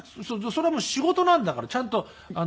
それはもう仕事なんだからちゃんと。